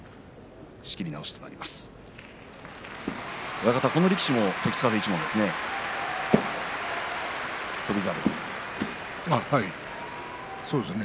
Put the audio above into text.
親方、この力士も時津風一門ですね翔猿。